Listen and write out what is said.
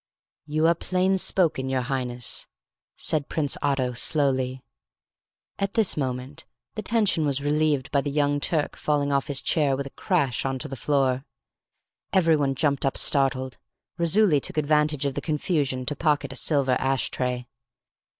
"You are plain spoken, your Highness," said Prince Otto slowly. At this moment the tension was relieved by the Young Turk falling off his chair with a crash on to the floor. Everyone jumped up startled. Raisuli took advantage of the confusion to pocket a silver ash tray.